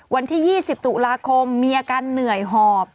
วันที่๒๐ตุลาคมมีอาการเหนื่อยหอบ